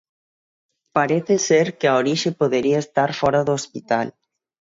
Parece ser que a orixe podería estar fóra do hospital.